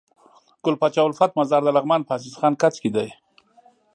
ګل پاچا الفت مزار دلغمان په عزيز خان کځ کي